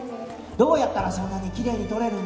どうやったらそんなにきれいに撮れるんですか。